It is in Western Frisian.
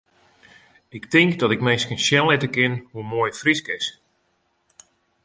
Ik tink dat ik minsken sjen litte kin hoe moai Frysk is.